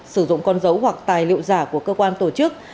sử dụng con dấu hoặc tài liệu giả của cơ quan tổ chức